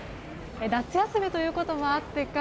夏休みということもあってか